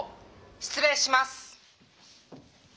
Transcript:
「失礼します」。